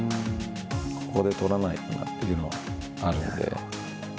ここで取らないとなというのはあるので。